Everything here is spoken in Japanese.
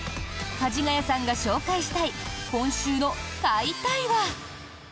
かじがやさんが紹介したい今週の「買いたい！」は。